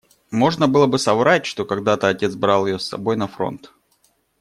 Можно было бы соврать, что когда-то отец брал ее с собой на фронт.